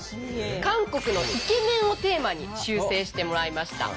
「韓国のイケメン」をテーマに修正してもらいました。